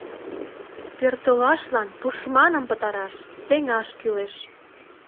Пӧртылашлан тушманым пытараш, сеҥаш кӱлеш!